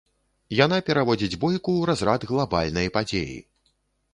Яна пераводзіць бойку ў разрад глабальнай падзеі.